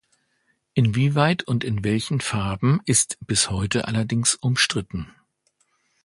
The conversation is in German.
Inwieweit und in welchen Farben, ist bis heute allerdings umstritten.